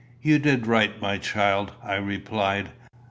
"You did right, my child," I replied.